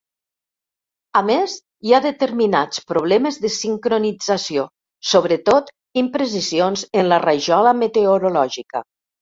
A més, hi ha determinats problemes de sincronització, sobretot imprecisions en la rajola meteorològica.